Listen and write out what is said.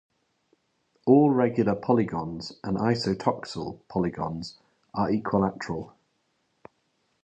All regular polygons and isotoxal polygons are equilateral.